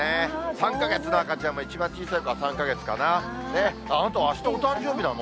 ３か月の赤ちゃんも、一番小さい子は３か月かな。